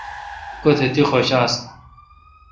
کوتھ تی حوشہ آستہ